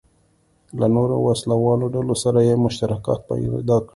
له نورو وسله والو ډلو سره یې مشترکات پیدا کړل.